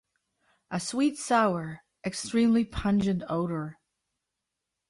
A sweet-sour, extremely pungent odor.